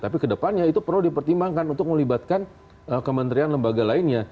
tapi kedepannya itu perlu dipertimbangkan untuk melibatkan kementerian lembaga lainnya